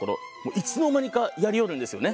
いつの間にかやりよるんですよね。